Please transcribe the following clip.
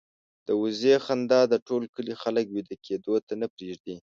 د وزې خندا د ټول کلي خلک وېده کېدو ته نه پرېږدي.